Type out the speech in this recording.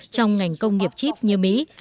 trong ngành công nghiệp chip như mỹ